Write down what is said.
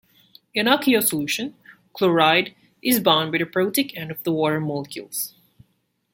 In aqueous solution, chloride is bound by the protic end of the water molecules.